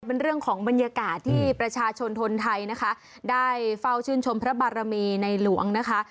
เป็นเรื่องของบรรยากาศที่ประชาชนคนไทยนะคะได้เฝ้าชื่นชมพระบารมีในหลวงนะคะ